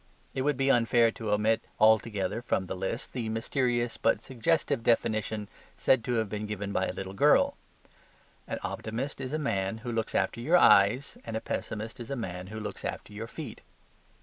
It would be unfair to omit altogether from the list the mysterious but suggestive definition said to have been given by a little girl, "An optimist is a man who looks after your eyes, and a pessimist is a man who looks after your feet."